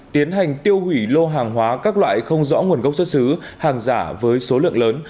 tiến hành tiêu hủy lô hàng hóa các loại không rõ nguồn gốc xuất xứ hàng giả với số lượng lớn